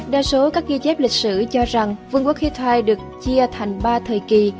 đa số các ghi chép lịch sử cho rằng vương quốc hittite được chia thành ba thời kỳ